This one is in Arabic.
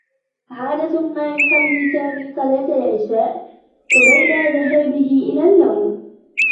عادة ما يصلّي سامي صلاة العشاء قبيل ذهابه إلى النّوم.